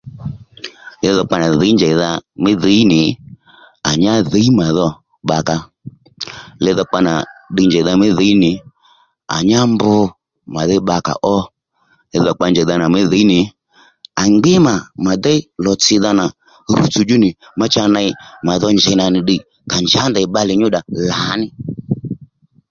Li dhokpa nà dhǐy njèydha mí dhǐy nì à nyá dhǐy màdho bbakà ó lidhokpa nà ddiy njèydha mí dhǐy nì à nyá mbr màdhí bba kà ó li dhokpa njèydha nà mí dhǐy nì à ngbí mà mà déy lò tsìdha nà rútsò djú nì mà cha ney màdho njey ndanà nì ddiy ka njǎ ndèy bbalè nyúdda djú lǎnì